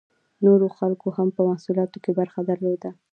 نورو خلکو هم په محصولاتو کې برخه درلوده.